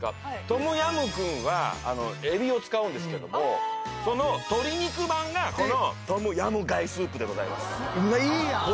トムヤムクンはエビを使うんですけどもその鶏肉版がこのトムヤムガイスープでございます。